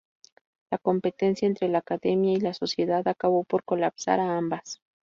La competencia entre la Academia y la Sociedad acabó por colapsar a ambas.